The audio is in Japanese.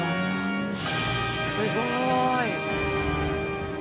すごーい。